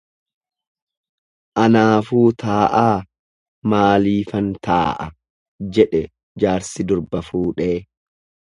Anaafuu taa'aa maaliifin taa'a jedhe jaarsi durba fuudhee.